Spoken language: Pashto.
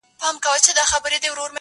له دښتونو څخه ستون سو تش لاسونه.